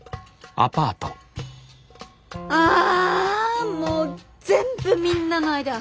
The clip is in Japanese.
あもう全部みんなのアイデア！